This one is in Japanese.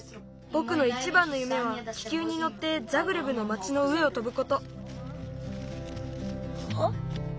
ぼくのいちばんのゆめは気球にのってザグレブの町の上を飛ぶこと。